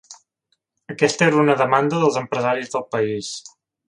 Aquesta era una demanda dels empresaris del país.